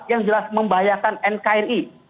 yang jelas membahayakan nkri